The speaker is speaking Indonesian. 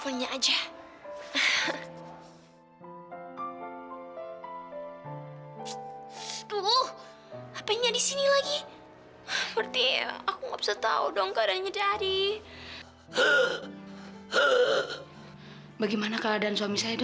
kayaknya sekarang dibawa ke rumah sakit